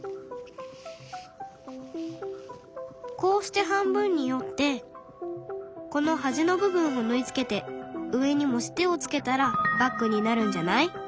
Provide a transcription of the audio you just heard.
こうして半分に折ってこの端の部分を縫い付けて上に持ち手を付けたらバッグになるんじゃない？